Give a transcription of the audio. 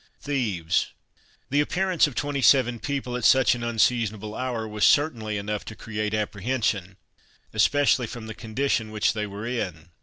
thieves!" The appearance of twenty seven people at such an unseasonable hour, was certainly enough to create apprehension, especially from the condition which they were in.